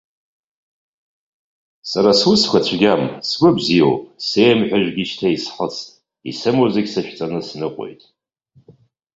Сара сусқәа цәгьам, сгәы бзиоуп, сеимҳәажә шьҭа исхыҵит, исымоу зегьы сышәҵаны сныҟәоит.